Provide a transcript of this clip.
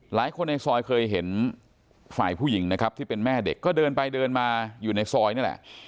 ในซอยเคยเห็นฝ่ายผู้หญิงนะครับที่เป็นแม่เด็กก็เดินไปเดินมาอยู่ในซอยนี่แหละ